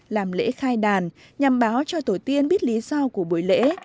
làm lễ khai đàn nhằm báo cho tổ tiên biết lý do của buổi lễ